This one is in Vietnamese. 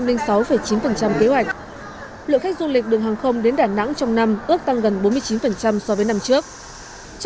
lượng khách du lịch đường hàng không đến đà nẵng trong năm ước tăng gần bốn mươi chín so với năm trước